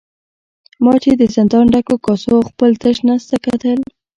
ما چې د زندان ډکو کاسو او خپل تش نس ته کتل.